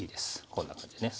こんな感じでね。